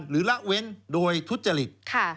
หรือละเว้นโดยทุษฎฤติค่ะ